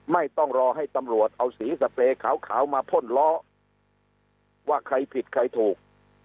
ไม่ต้องรอให้ตำรวจเอาสีสเปรย์ขาวมาพ่นล้อว่าใครผิดใครถูก